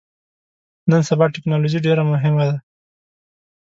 نن سبا ټکنالوژي ډیره مهمه ده